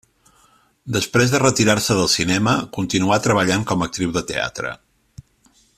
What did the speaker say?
Després de retirar-se del cinema, continuà treballant com a actriu de teatre.